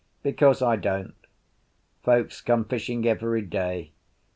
"Because I don't. Folks come fishing every day.